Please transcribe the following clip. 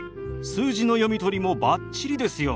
数字の読み取りもバッチリですよ。